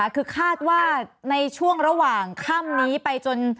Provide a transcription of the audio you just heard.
คือคาดว่าในช่วงระหว่างค่ำนี้ไปจน